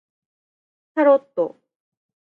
タロット